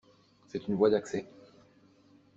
C’est une voie d’accès.